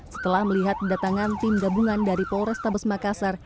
setelah melihat kedatangan tim gabungan dari polrestabes makassar